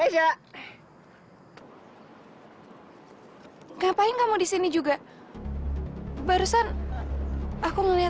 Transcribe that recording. sampai jumpa di video selanjutnya